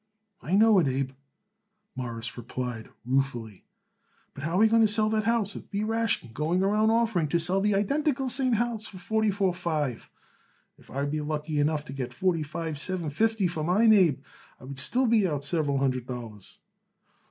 "I know it, Abe," Morris replied ruefully, "but how are we going to sell that house with B. Rashkin going around offering to sell the identical same house for forty four five? If I would be lucky enough to get forty five seven fifty for mine, Abe, I would still be out several hundred dollars."